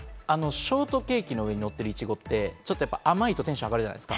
ショートケーキの上にのっているいちごって、甘いとテンション上がるじゃないですか？